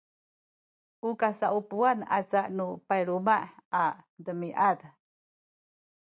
u kasaupuwan aca nu payluma’ a demiad